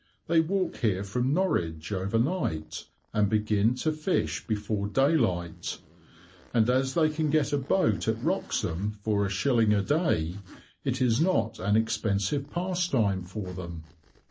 They walk here from Norwich, overnight, and begin to fish before daylight, and as they can get a boat at Wroxham for a shilling a day, it is not an expensive pastime for them."